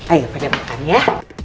ayo pada makan ya